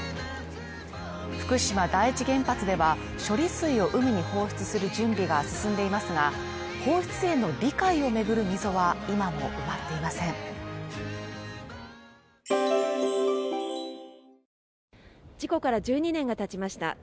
福島第一原発では、処理水を海に放出する準備が進んでいますが、放出への理解を巡る溝は今も埋まっていません事故から１２年が経ちました。